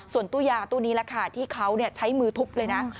ส่วนตู้ยาตู้นี้แหละค่ะที่เขาใช้มือทุบเลยนะ